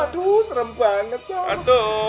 aduh serem banget